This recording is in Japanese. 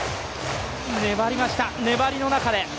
粘りました、粘りの中で。